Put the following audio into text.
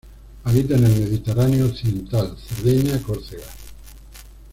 Habita en el Mediterráneo occidental, Cerdeña, Córcega.